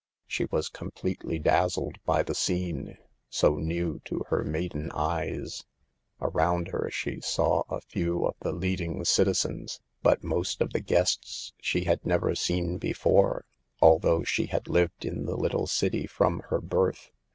She was completely dazzled by the scene, so new to her maiden eyes. Around her she saw a few of the " lead ing citizens," but most of the guests she had never seen before, although she had lived in the little city from her birth.